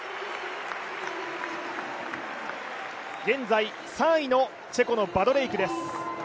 現在３位のチェコのバドレイクです。